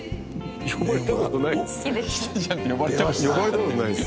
呼ばれた事ないです。